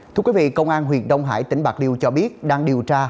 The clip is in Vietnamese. thưa quý vị công an huyện đông hải tỉnh bạc liêu cho biết đang điều tra